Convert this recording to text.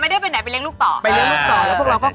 ได้แล้ว